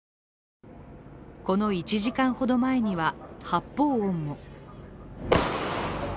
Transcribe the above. この１時間ほど前には発砲音も。